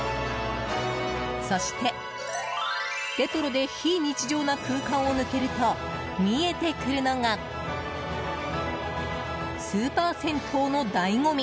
そして、レトロで非日常な空間を抜けると見えてくるのがスーパー銭湯の醍醐味